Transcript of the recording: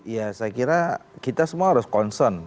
ya saya kira kita semua harus concern